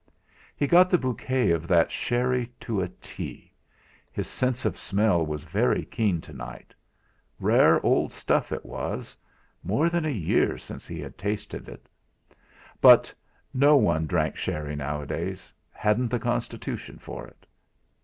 He got the bouquet of that sherry to a T his sense of smell was very keen to night; rare old stuff it was more than a year since he had tasted it but no one drank sherry nowadays, hadn't the constitution for it!